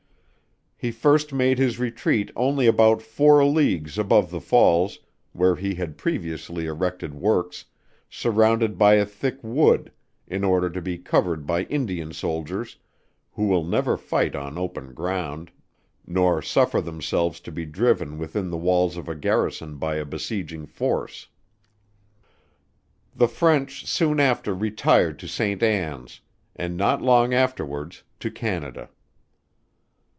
He first made his retreat only about four leagues above the falls, where he had previously erected works, surrounded by a thick wood, in order to be covered by Indian soldiers, who will never fight on open ground, nor suffer themselves to be driven within the walls of a garrison by a beseiging force. The French soon after retired to Saint Anns, and not long afterwards to Canada.